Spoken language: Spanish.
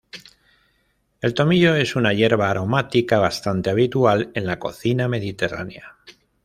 El tomillo es una hierba aromática bastante habitual en la cocina mediterránea.